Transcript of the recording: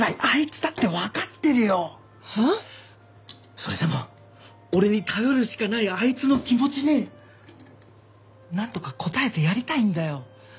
それでも俺に頼るしかないあいつの気持ちになんとか応えてやりたいんだよ。